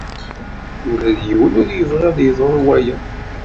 Ula d yiwen ur yebɣi ad yeḍru waya.